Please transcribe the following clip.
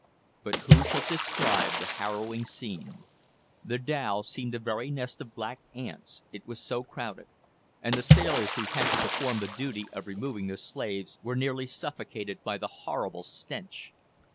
But who shall describe the harrowing scene! The dhow seemed a very nest of black ants, it was so crowded, and the sailors, who had to perform the duty of removing the slaves, were nearly suffocated by the horrible stench.